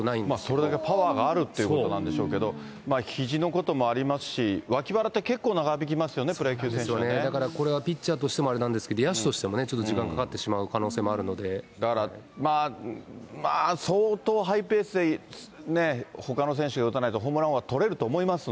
それだけパワーがあるっていうことなんでしょうけど、ひじのこともありますし、脇腹って結構長引きますよね、プロ野球選手はこれはピッチャーとしてもあれなんですけど、野手としてもね、結構時間かかってしまう可能性もだからまあ、相当ハイペースでね、ほかの選手が打たないと、ホームラン王は取れると思います